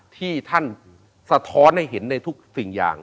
ที่ท่านสะท้อนให้เห็นในทุกสิ่งอย่าง